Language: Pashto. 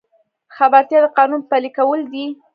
خبرتیا د قانون پلي کول دي